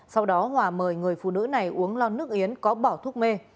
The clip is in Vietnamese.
sau đó hòa mời người phụ nữ này uống lo nước yến có bỏ thuốc mê